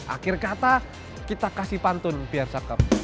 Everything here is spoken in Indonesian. akhir kata kita kasih pantun biar saka